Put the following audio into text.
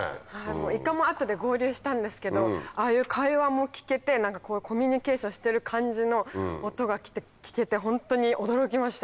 いかも後で合流したんですけどああいう会話も聞けてコミュニケーションしてる感じの音が聞けてホントに驚きました。